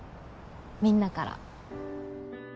みんなから。